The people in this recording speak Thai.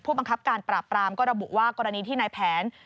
บังคับการปราบปรามก็ระบุว่ากรณีที่นายแผน